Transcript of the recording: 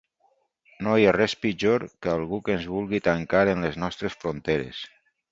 No hi ha res pitjor que algú ens vulgui tancar en les nostres fronteres.